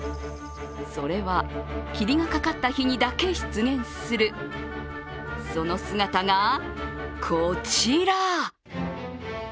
それは、霧がかかった日にだけ出現するその姿が、こちら。